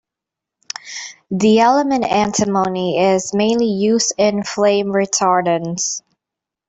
The element antimony is mainly used in flame retardants.